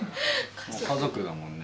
もう家族だもんね。